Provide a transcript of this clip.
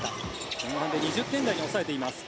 前半で２０点台に抑えています。